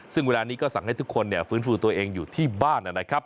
ซึ่งเวลานี้ก็สั่งให้ทุกคนฟื้นฟูตัวเองอยู่ที่บ้านนะครับ